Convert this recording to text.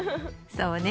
そうね。